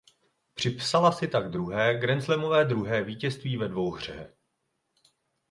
Připsala si tak druhé grandslamové druhé vítězství ve dvouhře.